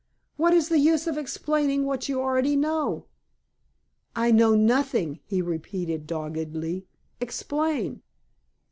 "What is the use of explaining what you already know?" "I know nothing," he repeated doggedly. "Explain."